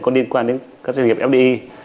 có liên quan đến các doanh nghiệp fdi